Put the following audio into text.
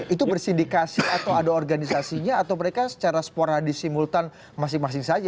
itu bersindikasi atau ada organisasinya atau mereka secara sporadis simultan masing masing saja